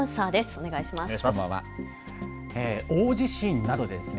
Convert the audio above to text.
お願いします。